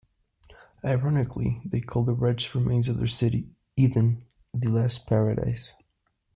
Ironically, they called the wretched remains of their city Eden- the last paradise.